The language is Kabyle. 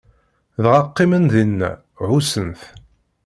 Dɣa qqimen dinna, ɛussen-t.